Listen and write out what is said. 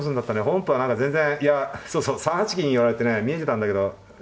本譜は何か全然いやそうそう３八金寄られてね見えてたんだけど。